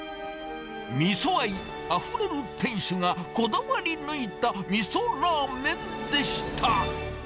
みそ愛あふれる店主がこだわり抜いたみそラーメンでした。